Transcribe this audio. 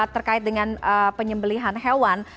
terkait dengan penyembelihan hewan